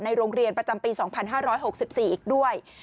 โรงเรียนประจำปี๒๕๖๔อีกด้วย